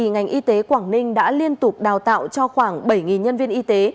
ngành y tế quảng ninh đã liên tục đào tạo cho khoảng bảy nhân viên y tế